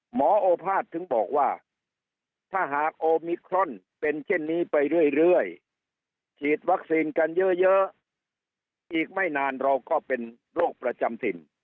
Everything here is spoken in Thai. โอภาษถึงบอกว่าถ้าหากโอมิครอนเป็นเช่นนี้ไปเรื่อยฉีดวัคซีนกันเยอะอีกไม่นานเราก็เป็นโรคประจำถิ่น